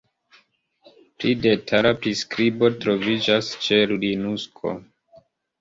Pli detala priskribo troviĝas ĉe Linukso.